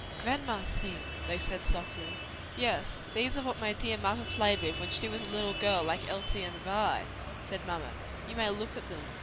"Grandma's things!" they said softly. "Yes, these are what my dear mother played with when she was a little girl like Elsie and Vi" said mamma. "You may look at them."